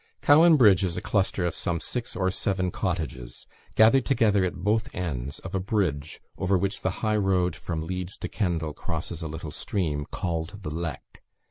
Cowan Bridge is a cluster of some six or seven cottages, gathered together at both ends of a bridge, over which the high road from Leeds to Kendal crosses a little stream, called the Leck.